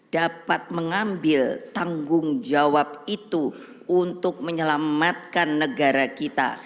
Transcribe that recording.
dapat mengambil tanggung jawab itu untuk menyelamatkan negara kita